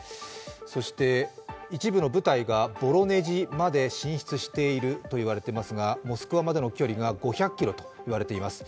そして一部の部隊がボロネジまで進出しているといわれていますがモスクワまでの距離が５００ｋｍと言われています。